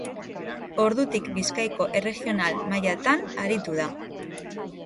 Ordutik Bizkaiko erregional mailatan aritu da.